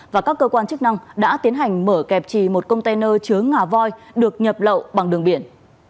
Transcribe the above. và các cơ quan chức năng đã tiến hành mở kẹp trì một container chứa ngà voi được nhập lậu bằng đường biển